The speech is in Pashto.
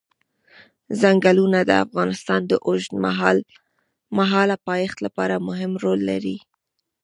ځنګلونه د افغانستان د اوږدمهاله پایښت لپاره مهم رول لري.